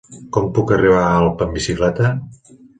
Com puc arribar a Alp amb bicicleta?